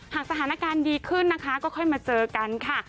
หากสถานการณ์ดีขึ้นนะคะก็ค่อยมาเจอกันค่ะ